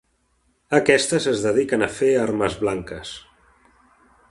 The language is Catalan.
Aquestes es dediquen a fer armes blanques.